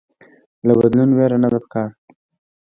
له بدلون ويره نده پکار